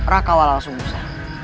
raka walal sungusa